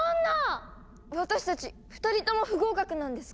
私たち２人とも不合格なんですか？